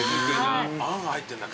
あんが入ってるんだ。